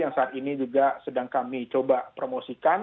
yang saat ini juga sedang kami coba promosikan